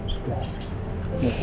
sudah jangan nangis